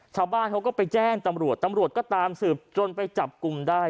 ชาวบ้านเขาก็ไปแจ้งตำรวจตำรวจก็ตามสืบจนไปจับกลุ่มได้